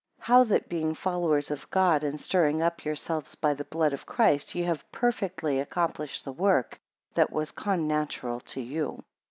3 How that being followers of God, and stirring up yourselves by the blood of Christ ye have perfectly accomplished the work that was con natural unto you.